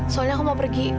soalnya aku mau pergi